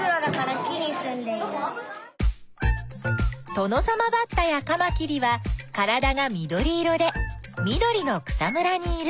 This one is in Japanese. トノサマバッタやカマキリはからだが緑色で緑の草むらにいる。